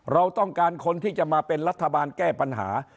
เราต้องการคนที่จะมาเป็นรัฐบาลแก้ปัญหา